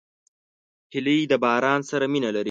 هیلۍ د باران سره مینه لري